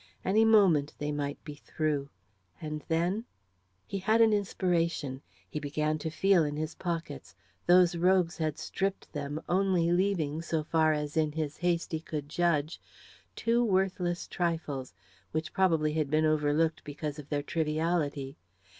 Any moment they might be through. And then? He had an inspiration. He began to feel in his pockets. Those rogues had stripped them, only leaving, so far as in his haste he could judge, two worthless trifles, which probably had been overlooked because of their triviality.